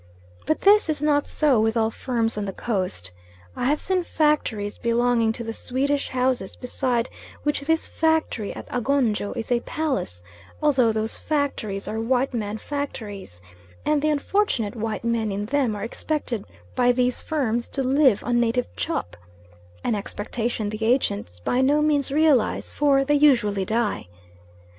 But this is not so with all firms on the Coast. I have seen factories belonging to the Swedish houses beside which this factory at Agonjo is a palace although those factories are white man factories, and the unfortunate white men in them are expected by these firms to live on native chop an expectation the Agents by no means realise, for they usually die.